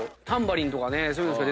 タンバリンとかね。